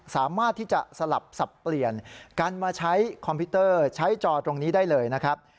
สามารถที่จะสลับสับเปลี่ยนกันมาใช้คอมพิวเตอร์ใช้จอตรงนี้ได้เลยนะครับ